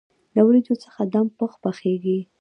له وریجو څخه دم پخ پخیږي.